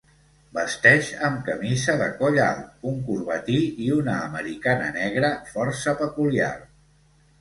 Vesteix amb camisa de coll alt, un corbatí i una americana negra, força peculiar.